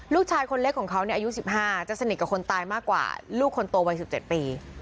ลูกชายคนเล็กของเขาเนี่ยอายุสิบห้าจะสนิทกับคนตายมากกว่าลูกคนโตวันสิบเจ็ดปี